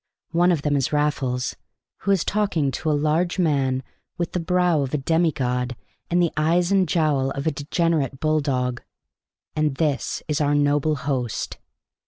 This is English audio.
One of them is Raffles, who is talking to a large man with the brow of a demi god and the eyes and jowl of a degenerate bulldog. And this is our noble host.